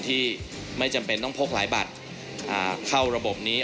ที่ไม่จำเป็นต้องพกหลายบัตร